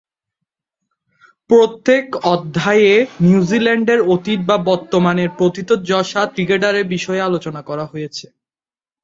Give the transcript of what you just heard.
প্রত্যেক অধ্যায়ে নিউজিল্যান্ডের অতীত বা বর্তমানের প্রথিতযশা ক্রিকেটারের বিষয়ে আলোচনা করা হয়েছে।